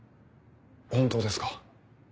本当ですか？